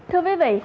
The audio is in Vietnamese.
thưa quý vị